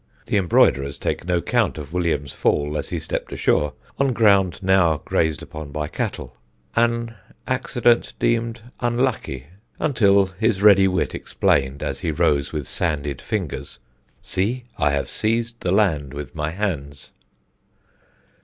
The embroiderers take no count of William's fall as he stepped ashore, on ground now grazed upon by cattle, an accident deemed unlucky until his ready wit explained, as he rose with sanded fingers, "See, I have seized the land with my hands."